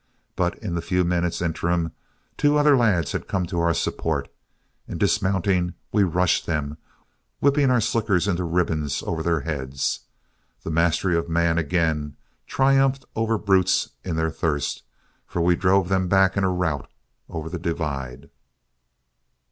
But in the few minutes' interim, two other lads had come to our support, and dismounting we rushed them, whipping our slickers into ribbons over their heads. The mastery of man again triumphed over brutes in their thirst, for we drove them in a rout back over the divide.